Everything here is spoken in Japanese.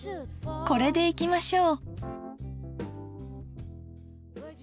これでいきましょう。